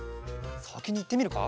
さきにいってみるか？